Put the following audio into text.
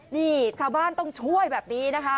นี่ชาวบ้านต้องช่วยแบบนี้นะคะ